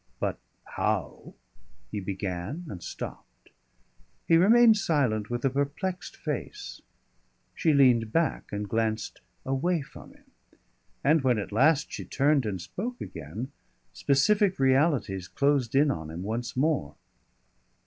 "But how ?" he began and stopped. He remained silent with a perplexed face. She leaned back and glanced away from him, and when at last she turned and spoke again, specific realities closed in on him once more.